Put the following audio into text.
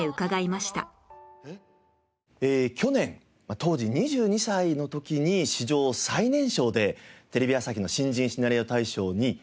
去年当時２２歳の時に史上最年少でテレビ朝日の新人シナリオ大賞に選ばれました。